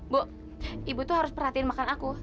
bu ibu tuh harus perhatiin makan aku